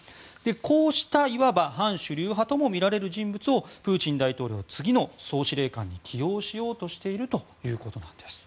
こうしたいわば反主流派とみられる人物をプーチン大統領次の総司令官に起用しようとしているということなんです。